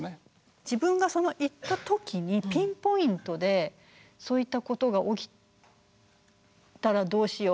自分が行った時にピンポイントでそういったことが起きたらどうしよう。